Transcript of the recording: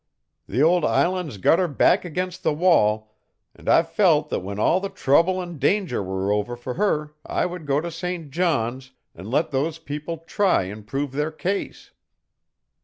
The old island's got her back against the wall, and I felt that when all the trouble and danger were over for her I would go to St. John's, and let those people try and prove their case.